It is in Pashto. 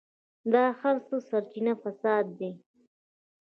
د هر څه سرچينه فساد دی.